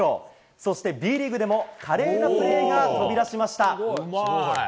そして、Ｂリーグでも華麗なプレーが飛び出しました。